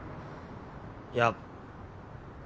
いや。